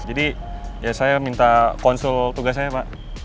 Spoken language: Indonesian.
jadi ya saya minta konsul tugas saya pak